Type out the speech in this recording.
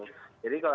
jadi kalau misalnya